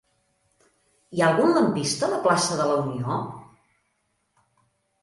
Hi ha algun lampista a la plaça de la Unió?